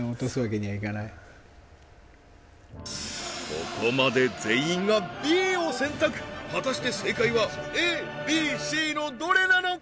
ここまで全員がＢを選択果たして正解はＡＢＣのどれなのか？